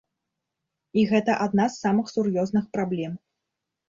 І гэта адна з самых сур'ёзных праблем.